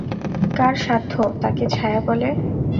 কার সাধ্য তাকে ছায়া বলে?